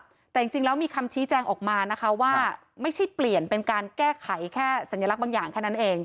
แต่จริงแล้วมีคำชี้แจงออกมานะคะว่าไม่ใช่เปลี่ยนเป็นการแก้ไขแค่สัญลักษณ์บางอย่างแค่นั้นเอง